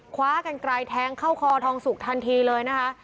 คว้ากันไกลแทงเข้าคอทองสุกทันทีเลยนะคะ